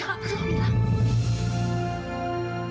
gak perlu mila